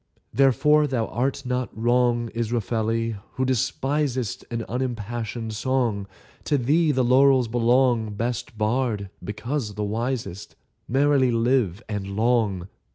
Therefore thou art not wrong, Israfeli, who despisest An unimpassioned song; To thee the laurels belong, Best bard, because the wisest: Merrily live, and long!